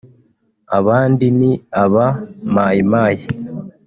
abandi ni aba Mai Mai